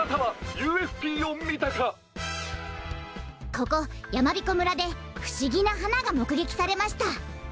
ここやまびこ村でふしぎなはながもくげきされました。